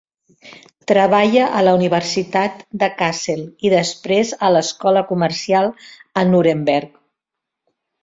Treballà a la Universitat de Kassel i després a l'escola comercial a Nuremberg.